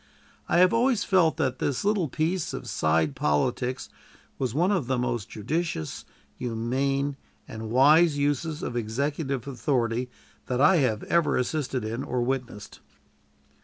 I have always felt that this little piece of side politics was one of the most judicious, humane, and wise uses of executive authority that I have ever assisted in or witnessed.